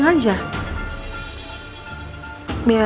kok dibatiin handphonenya